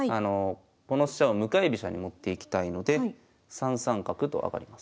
この飛車を向かい飛車に持っていきたいので３三角と上がります。